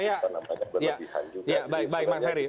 ya baik mas ferry